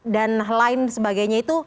dan lain sebagainya itu